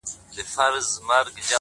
د سترګو کي ستا د مخ سُرخي ده ـ